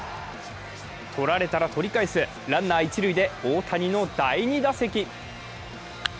取られたら取り返す、ランナー、一塁で大谷の第２打席。